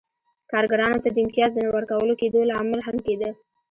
کارګرانو ته د امتیاز د نه ورکول کېدو لامل هم کېده.